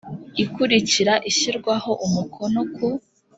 ikurikira ishyirwaho umukono ku